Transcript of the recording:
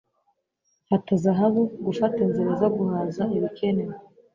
Fata zahabu! Gufata inzira zo guhaza ibikenewe!